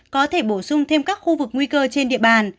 có thể bổ sung thêm các khu vực nguy cơ trên địa bàn